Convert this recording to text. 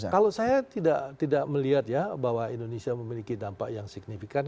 kalau saya tidak melihat ya bahwa indonesia memiliki dampak yang signifikan